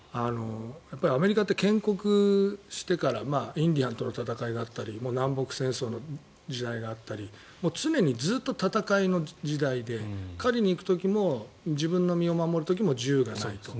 アメリカって建国してからインディアンとの戦いがあったり南北戦争の時代があったり常にずっと戦いの時代で狩りに行く時も自分の身を守る時も銃がないと。